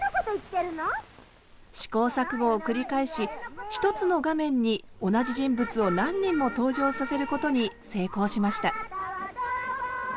試行錯誤を繰り返し一つの画面に同じ人物を何人も登場させることに成功しました。